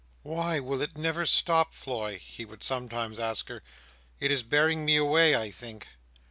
"Why, will it never stop, Floy?" he would sometimes ask her. "It is bearing me away, I think!"